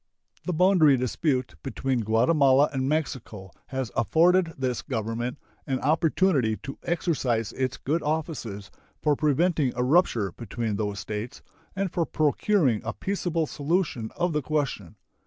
The boundary dispute between Guatemala and Mexico has afforded this Government an opportunity to exercise its good offices for preventing a rupture between those States and for procuring a peaceable solution of the question.